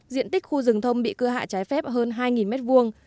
diện tích khu rừng thông bị cưa hạ trái phép hơn hai mét vuông